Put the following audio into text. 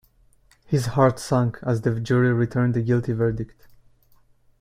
His heart sank as the jury returned a guilty verdict.